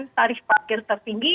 tarif parkir tertinggi